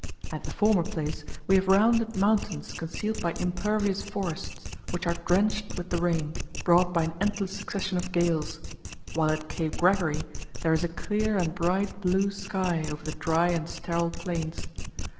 At the former place, we have rounded mountains concealed by impervious forests, which are drenched with the rain, brought by an endless succession of gales; while at Cape Gregory, there is a clear and bright blue sky over the dry and sterile plains.